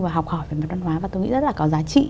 và học hỏi về mặt văn hóa và tôi nghĩ rất là có giá trị